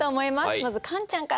まずカンちゃんから。